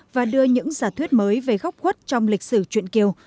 và đưa những giả thuyết mới về góc khuất trong lịch sử chuyện kiều